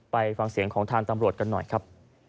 ไปฟังเสียงของทางตำรวจกันหน่อยครับ